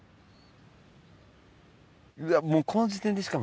もうこの時点でしかも。